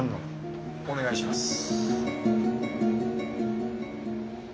お願いします。